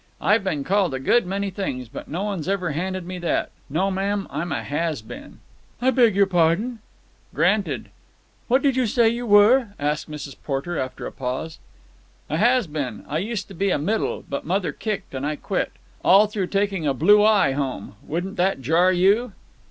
"I've been called a good many things, but no one's ever handed me that. No, ma'am, I'm a has been." "I beg your pardon." "Granted." "What did you say you were?" asked Mrs. Porter after a pause. "A has been. I used to be a middle, but mother kicked, and I quit. All through taking a blue eye home! Wouldn't that jar you?"